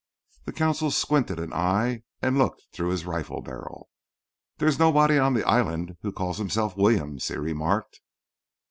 The consul squinted an eye and looked through his rifle barrel. "There's nobody on the island who calls himself 'Williams,'" he remarked.